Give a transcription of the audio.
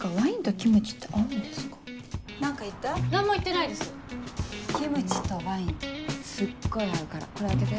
キムチとワインすっごい合うからこれ開けて。